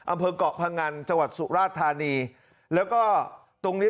อำเภอกเกาะพงันจังหวัดสุราชธานีแล้วก็ตรงนี้